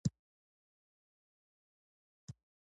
په هیرانوونکې ډول کارول شوي.